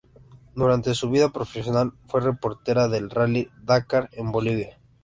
Durante su vida profesional fue reportera del Rally Dakar en Bolivia.